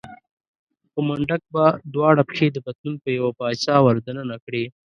خو منډک به دواړه پښې د پتلون په يوه پایڅه ور دننه کړې.